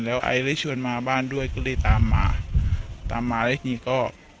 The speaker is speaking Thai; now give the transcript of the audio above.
แล้วไอได้ชวนมาบ้านด้วยก็เลยตามมาตามมาแล้วทีนี้ก็